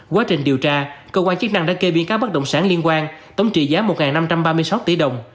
quá trình điều tra cơ quan chức năng đã kê biên cáo bất động sản liên quan tổng trị giá một năm trăm ba mươi sáu tỷ đồng